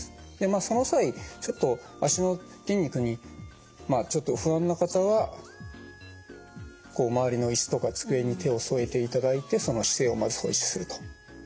その際ちょっと脚の筋肉に不安な方はこう周りの椅子とか机に手を添えていただいてその姿勢をまず保持すると。